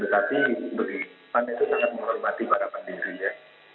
akan dikasih berikan itu sangat menghormati para pendiri ya